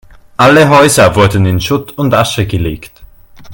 Alle Häuser wurden in Schutt und Asche gelegt.